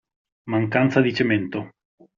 Mancanza di cemento.